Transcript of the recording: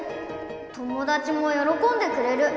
ともだちもよろこんでくれる。